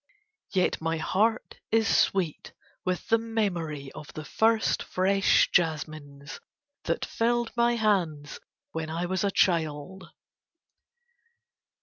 Yet my heart is sweet with the memory of the first fresh jasmines that filled my hands when I was a child.